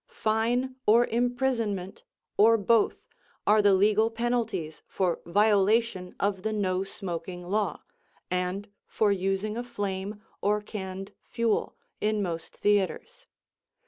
Fine or imprisonment, or both, are the legal penalties for violation of the no smoking law, and for using a flame or canned fuel, in most theatres.